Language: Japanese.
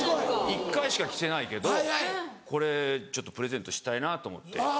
一回しか着てないけどこれプレゼントしたいなと思って。